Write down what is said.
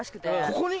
ここに？